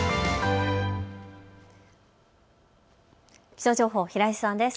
気象情報、平井さんです。